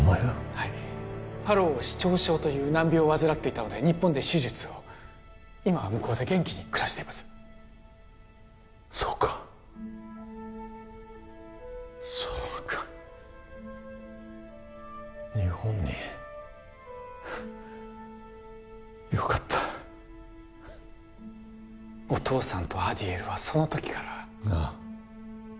はいファロー四徴症という難病を患っていたので日本で手術を今は向こうで元気に暮らしていますそうかそうか日本によかったお父さんとアディエルはその時からああ